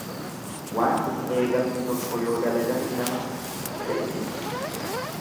Waan hin eegamne tokko yoo dalagame nama aja'ibsisa.